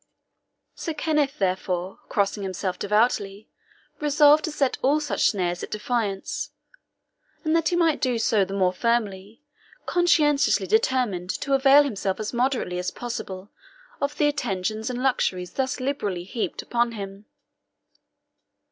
Sir Kenneth, therefore, crossing himself devoutly, resolved to set all such snares at defiance; and that he might do so the more firmly, conscientiously determined to avail himself as moderately as possible of the attentions and luxuries thus liberally heaped upon him.